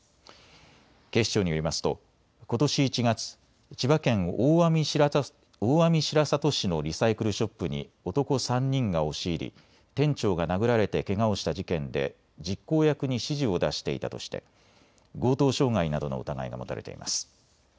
警視庁によりますとことし１月、千葉県大網白里市のリサイクルショップに男３人が押し入り店長が殴られてけがをした事件で実行役に指示を出していたとして強盗傷害などの疑いが持たれています。